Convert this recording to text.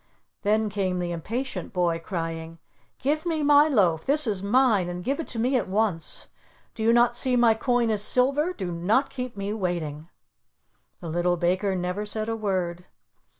Then came the Impatient Boy, crying: "Give me my loaf. This is mine, and give it to me at once. Do you not see my coin is silver? Do not keep me waiting." The Little Baker never said a word.